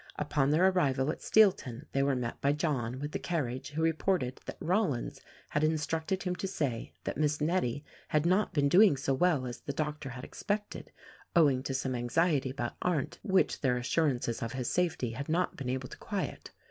Upon their arrival at Steelton they were met by John with the carriage who reported that Rollins had instructed 88 THE RECORDING ANGEL him to say that Miss Nettie had not been doing so well as the doctor had expected, owing to some anxiety about Arndt which their assurances of his safety had not been able to quiet.